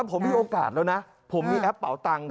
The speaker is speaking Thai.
ผมมีโอกาสแล้วนะผมมีแอปเป่าตังค์